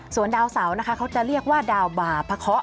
ส่วนดาวเสานะคะเขาจะเรียกว่าดาวบาพระเคาะ